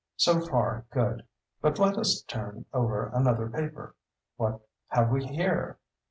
So far good—but let us turn over another paper. What have we here?